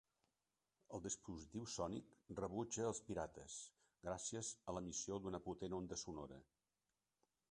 El dispositiu sònic rebutja els pirates, gràcies a l"emissió d"una potent onada sonora.